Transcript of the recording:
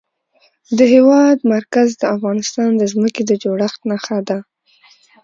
د هېواد مرکز د افغانستان د ځمکې د جوړښت نښه ده.